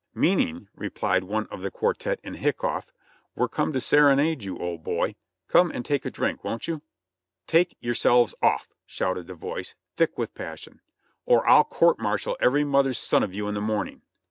"Meaning," replied one of the quartette in a hiccough; "we've come to serenade you, ole boy. Come and take a drink, won't you?" "Take yourselves off," shouted the voice, thick with passion, "or I'll court martial every mother's son of you in the morning."